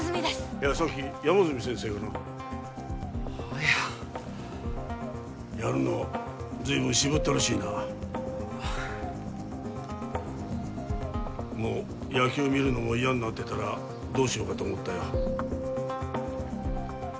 いやさっき山住先生がな早やるのずいぶん渋ったらしいなあもう野球見るのも嫌になってたらどうしようかと思ったよ